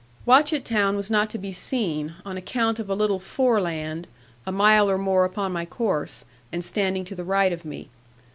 'Watchett town was not to be seen, on account of a little foreland, a mile or more upon my course, and standing to the right of me.